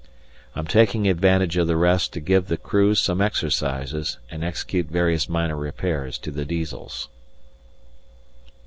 I'm taking advantage of the rest to give the crew some exercises and execute various minor repairs to the Diesels.